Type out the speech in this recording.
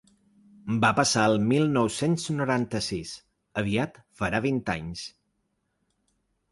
Va passar el mil nou-cents noranta-sis: aviat farà vint anys.